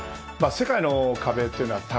世界の壁というのは、まず高